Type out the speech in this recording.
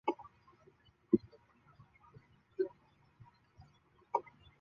之后以台北民生社区为中心推广空手道。